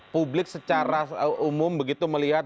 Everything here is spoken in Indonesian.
publik secara umum begitu melihat